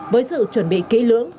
với sự chuẩn bị kỹ lưỡng